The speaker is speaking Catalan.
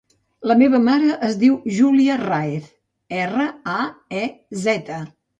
La meva mare es diu Júlia Raez: erra, a, e, zeta.